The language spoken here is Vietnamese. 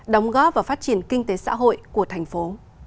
đồng góp và phát triển kinh tế xã hội của thành phố